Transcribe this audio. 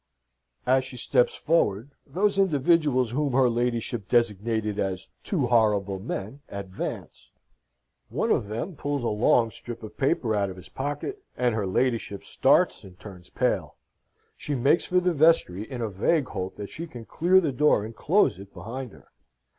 As she steps forward, those individuals whom her ladyship designated as two horrible men, advance. One of them pulls a long strip of paper out of his pocket, and her ladyship starts and turns pale. She makes for the vestry, in a vague hope that she can clear the door and close it behind her.